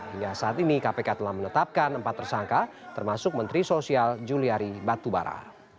hingga saat ini kpk telah menetapkan empat tersangka termasuk menteri sosial juliari batubara